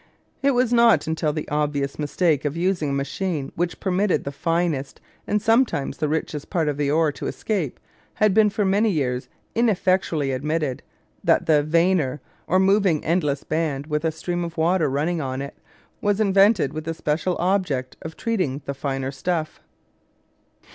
It was not until the obvious mistake of using a machine which permitted the finest, and sometimes the richest, parts of the ore to escape had been for many years ineffectually admitted, that the "vanner," or moving endless band with a stream of water running on it, was invented with the special object of treating the finer stuff.